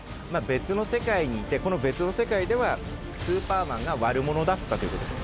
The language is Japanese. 別の世界にいてこの別の世界ではスーパーマンが悪者だったということです。